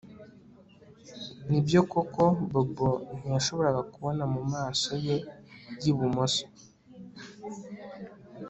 Nibyo koko Bobo ntashobora kubona mumaso ye yibumoso